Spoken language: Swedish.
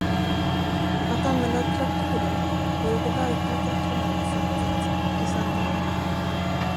Att använda traktorer vore det verkligt rationella sättet på Sandön.